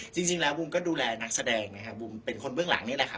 จริงแล้วบูมก็ดูแลนักแสดงนะครับบูมเป็นคนเบื้องหลังนี่แหละครับ